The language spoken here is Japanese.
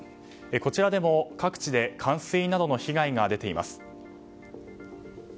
こちらでも各地で冠水などの被害が出ています。